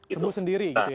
sembuh sendiri gitu ya